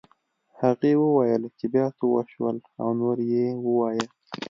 هغې وویل چې بيا څه وشول او نور یې ووایه